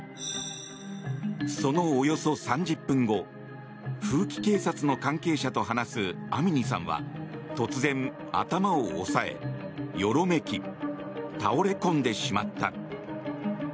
そのおよそ３０分後風紀警察の関係者と話すアミニさんは突然、頭を押さえよろめき倒れ込んでしまった。